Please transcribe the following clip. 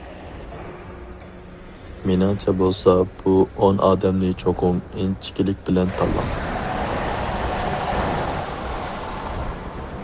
مېنىڭچە بولسا بۇ ئون ئادەمنى چوقۇم ئىنچىكىلىك بىلەن تاللاڭ.